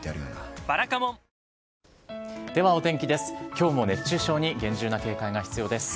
きょうも熱中症に厳重な警戒が必要です。